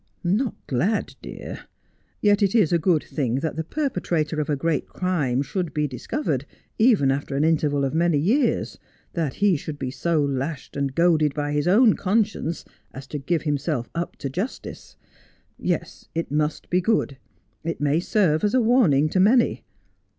' Not glad, dear. Yet it is a good thing that the perpetrator of a great crime should be discovered, even after an interval of many years ; that he should be so lashed and goaded by his own conscience as to give himself up to justice. Yes, it must be good. It may serve as a warning to many.